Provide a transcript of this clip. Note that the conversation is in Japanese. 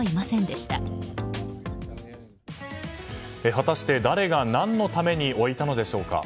果たして誰が何のために置いたのでしょうか。